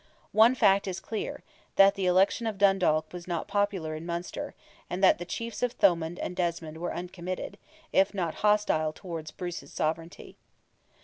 One fact is clear, that the election of Dundalk was not popular in Munster, and that the chiefs of Thomond and Desmond were uncommitted, if not hostile towards Bruce's sovereignty.